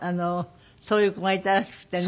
そういう子がいたらしくてね